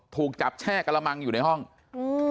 ถูกจับแช่กระมังอยู่ในห้องอืม